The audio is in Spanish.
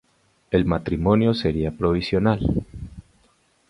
El matrimonio sería provisional.